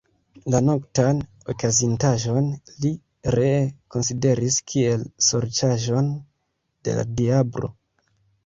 La noktan okazintaĵon li ree konsideris kiel sorĉaĵon de la diablo.